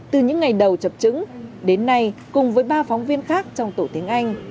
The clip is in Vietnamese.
từ những ngày đầu chập trứng đến nay cùng với ba phóng viên khác trong tổ tiếng anh